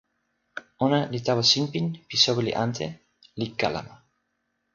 ona li tawa sinpin pi soweli ante, li kalama: